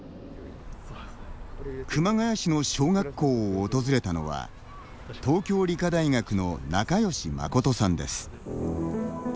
熊谷市の小学校を訪れたのは東京理科大学の仲吉信人さんです。